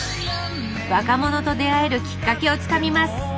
若者と出会えるきっかけをつかみます